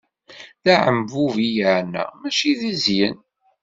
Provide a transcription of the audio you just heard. D aɛembub i yeɛna, mačči d zzyen.